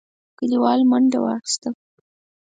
کليوالو منډه واخيسته.